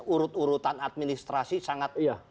urut urutan administrasi sangat